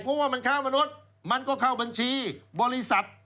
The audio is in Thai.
เพราะว่ามันค้ามนุษย์มันก็เข้าบัญชีบริษัท